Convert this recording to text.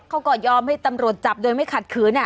เขาก็ยอมให้ตำรวจจับโดยไม่ขัดขืน